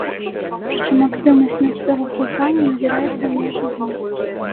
Прычым, актыўнасць мясцовых вулканаў назіраецца і ў нашы дні.